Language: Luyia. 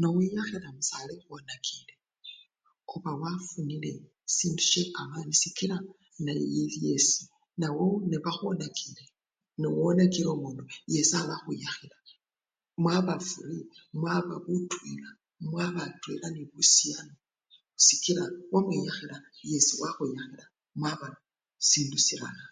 Nowiyakhila musale wowo ukhwonakile, obawafunile sindu syekamani sikila nayi! yesi nawe ngawonakile, newonakila omundu yesi alakhwiyakhila mwaba mwana butwela khusyalo sikila wamwiyakhila yesi wakhwiyakhila mwaba sindu silala.